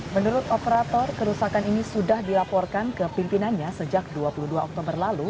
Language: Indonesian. menurut operator kerusakan ini sudah dilaporkan ke pimpinannya sejak dua puluh dua oktober lalu